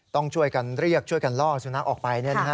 ต้องช่วยกันเรียกช่วยกันล่อสุนัขออกไป